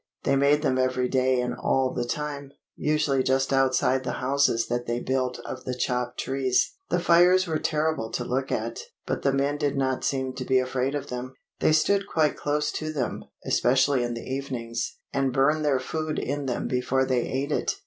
They made them every day and all the time, usually just outside the houses that they built of the chopped trees. The fires were terrible to look at, but the men did not seem to be afraid of them. They stood quite close to them, especially in the evenings, and burned their food in them before they ate it.